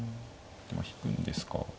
まあ引くんですか。